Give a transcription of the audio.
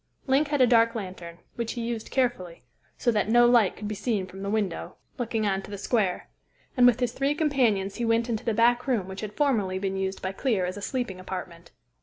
Link had a dark lantern, which he used carefully, so that no light could be seen from the window looking on to the square; and with his three companions he went into the back room which had formerly been used by Clear as a sleeping apartment.